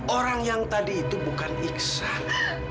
orang yang tadi itu bukan iksan